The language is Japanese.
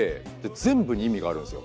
全部に意味があるんですよ。